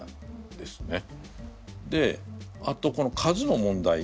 であとこの数の問題。